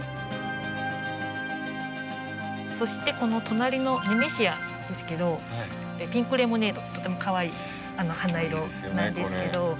そしてこの隣のネメシアなんですけどピンクレモネードとてもかわいい花色なんですけど。